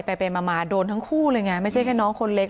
ไปไปมาโดนทั้งคู่เลยไงไม่ใช่แค่น้องคนเล็ก